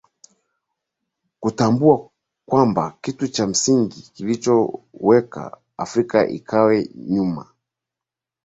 kutambua kwamba kitu cha msingi kilichoweka afrika ikae nyuma